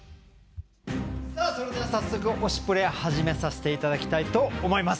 早速「推しプレ！」始めさせていただきたいと思います。